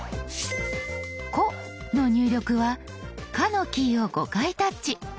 「こ」の入力は「か」のキーを５回タッチ。